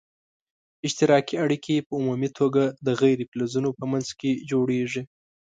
اشتراکي اړیکي په عمومي توګه د غیر فلزونو په منځ کې جوړیږي.